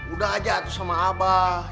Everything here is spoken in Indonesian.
udah aja tuh sama abah